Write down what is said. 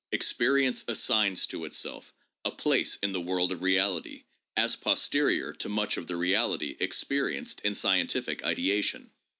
Experience assigns to itself a place in the world of reality, as pos terior to much of the reality experienced in scientific ideation.